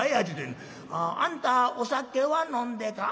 「あんたお酒は飲んでか？」。